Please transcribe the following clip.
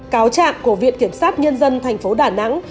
cáo trạng của viện kiểm sát nhân dân thành phố đà nẵng